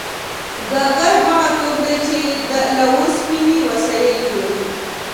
ګګر هغه څوک دی چې له اوسپنې وسایل جوړوي